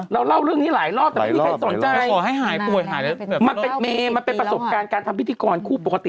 เราเล่าเรื่องนี้หลายรอบแต่ไม่มีใครสนใจ